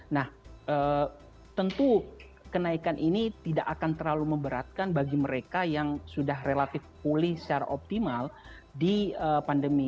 nah tentu kenaikan ini tidak akan terlalu memberatkan bagi mereka yang sudah relatif pulih secara optimal di pandemi